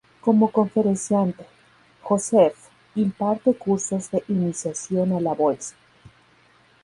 Como conferenciante, Josef imparte cursos de iniciación a la bolsa.